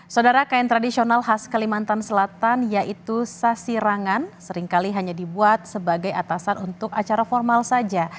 saudara kain tradisional khas kalimantan selatan yaitu sasirangan seringkali hanya dibuat sebagai atasan untuk acara formal saja